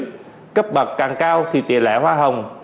khi giới thiệu người tham gia cấp dưới cấp bậc càng cao thì tiền lẻ hoa hồng